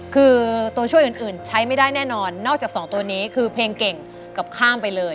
คือตัวช่วยอื่นใช้ไม่ได้แน่นอนนอกจาก๒ตัวนี้คือเพลงเก่งกับข้ามไปเลย